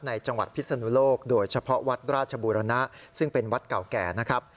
จังหวัดพิศนุโลกโดยเฉพาะวัดราชบูรณะซึ่งเป็นวัดเก่าแก่นะครับ